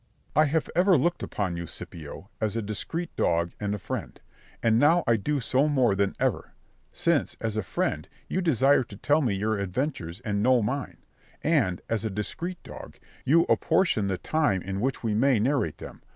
Berg. I have ever looked upon you, Scipio, as a discreet dog and a friend, and now I do so more than ever, since, as a friend, you desire to tell me your adventures and know mine; and, as a discreet dog, you apportion the time in which we may narrate them.